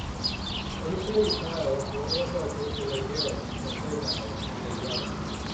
Initially, males were also thought to lead harems of females and their young.